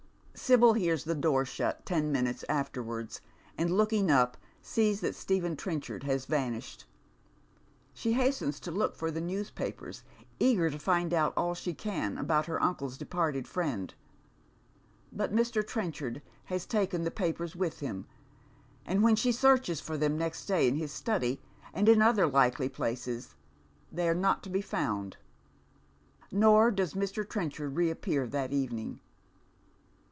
Sibyl hears the door shut ten minutes afterwards, and looking up, sees that Stephen Trenchard has vanished. She hastens t<:» look for the newspapers, eager to find out all she can about her uncle's departed liiend ; but Mr. Trenchard has taken the papers with him, and when she searches for them next day in his study and in other likely places, they are not to be found. Nor does Mi . Treaichard reappear that evening.